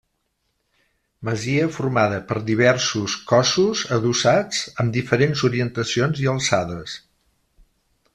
Masia formada per diversos cossos adossats, amb diferents orientacions i alçades.